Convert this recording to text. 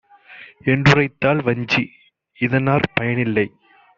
என்றுரைத்தாள் வஞ்சி. இதனாற் பயனில்லை;